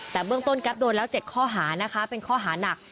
แต่เบื้องต้นแก๊ปโดนแล้ว๗ข้อหานะคะเป็นข้อหานัก